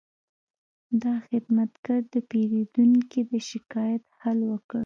دا خدمتګر د پیرودونکي د شکایت حل وکړ.